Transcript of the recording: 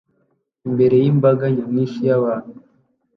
imbere yimbaga nyamwinshi yabantu